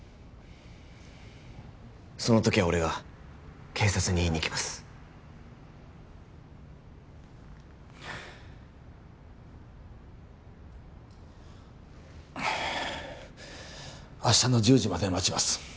その時は俺が警察に言いにいきますはあ明日の１０時まで待ちます